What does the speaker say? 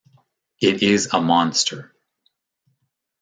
It is a monster.